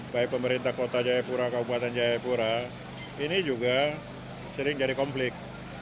baik pemerintah kota jayapura kabupaten jayapura ini juga sering jadi konflik